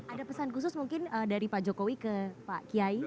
ada pesan khusus mungkin dari pak jokowi ke pak kiai